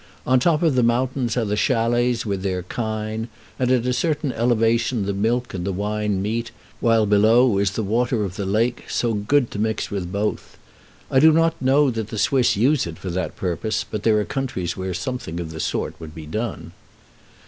On top of the mountains are the chalets with their kine, and at a certain elevation the milk and the wine meet, while below is the water of the lake, so good to mix with both. I do not know that the Swiss use it for that purpose, but there are countries where something of the sort would be done.